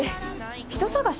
人捜し？